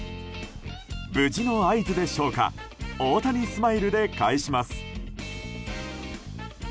無事の合図でしょうか大谷スマイルで返します。